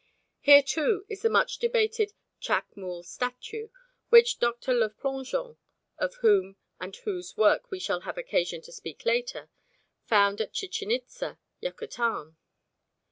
Here, too, is the much debated Chac Mool statue which Dr. Le Plongeon, of whom and whose work we shall have occasion to speak later, found at Chichen Itza, Yucatan.